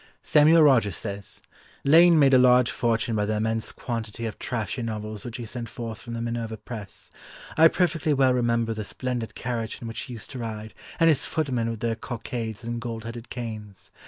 Samuel Rogers says, "Lane made a large fortune by the immense quantity of trashy novels which he sent forth from the Minerva press. I perfectly well remember the splendid carriage in which he used to ride, and his footmen with their cockades and gold headed canes.